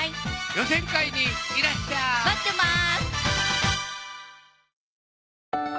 予選会にいらっしゃい待ってます